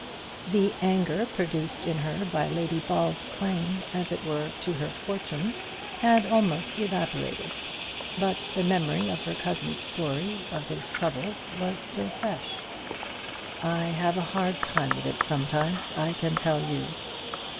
The anger produced in her by Lady Ball's claim, as it were, to her fortune, had almost evaporated; but the memory of her cousin's story of his troubles was still fresh. "I have a hard time of it sometimes, I can tell you."